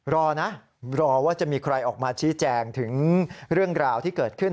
รอนะรอว่าจะมีใครออกมาชี้แจงถึงเรื่องราวที่เกิดขึ้น